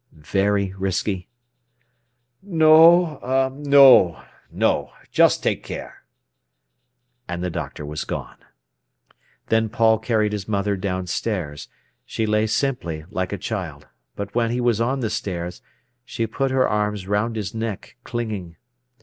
"Very risky?" "No—er—no, no! Just take care." And the doctor was gone. Then Paul carried his mother downstairs. She lay simply, like a child. But when he was on the stairs, she put her arms round his neck, clinging.